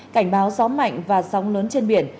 cảnh báo gió mạnh và sóng lớn trên biển